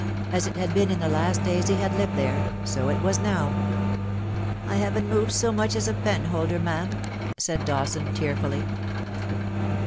As it had been in the last days he had lived there, so it was now. " I haven't moved so much as a penholder, ma'am," said Dawson tearfully.